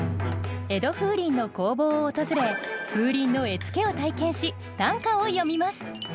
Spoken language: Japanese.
江戸風鈴の工房を訪れ風鈴の絵付けを体験し短歌を詠みます